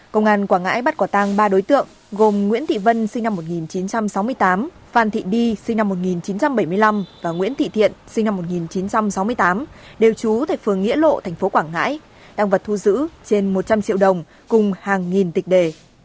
công an quảng ngãi bắt quả tang ba đối tượng gồm nguyễn thị đi sinh năm một nghìn chín trăm bảy mươi năm phan thị đi sinh năm một nghìn chín trăm bảy mươi năm phan thị đi sinh năm một nghìn chín trăm bảy mươi năm đều trú tại phường nghĩa lộ tp quảng ngãi đang vật thu giữ trên một trăm linh triệu đồng cùng hàng nghìn tịch đề